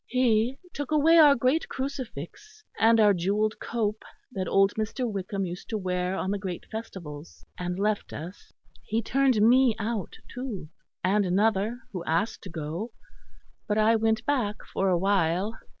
He took away our great crucifix and our jewelled cope that old Mr. Wickham used to wear on the Great Festivals; and left us. He turned me out, too; and another who asked to go, but I went back for a while.